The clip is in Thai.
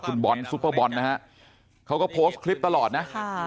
คุณบอลซุปเปอร์บอลนะฮะเขาก็โพสต์คลิปตลอดนะค่ะ